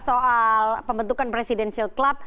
soal pembentukan presidential club